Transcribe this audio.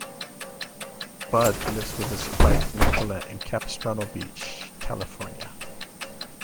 Budde lives with his wife Nicolette in Capistrano Beach, California.